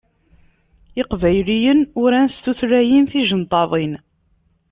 Iqbayliyen uran s tutlayin tijenṭaḍin.